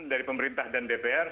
dari pemerintah dan dpr